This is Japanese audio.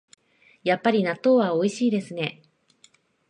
やっぱり納豆はおいしいですね